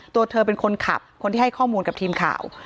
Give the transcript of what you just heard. ตัวเธอเป็นคนขับคนที่ให้ข้อมูลกับทีมข่าว